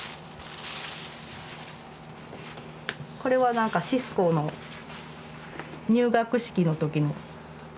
これは何かシスコの入学式の時の。